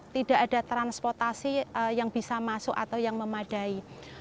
tidak ada transportasi yang bisa masuk atau yang memadai